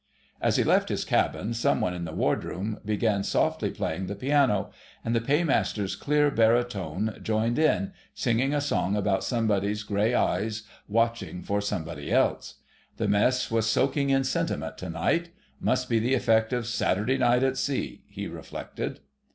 As he left his cabin some one in the Wardroom began softly playing the piano, and the Paymaster's clear baritone joined in, singing a song about somebody's grey eyes watching for somebody else. The Mess was soaking in sentiment to night: must be the effect of Saturday Night at Sea he reflected.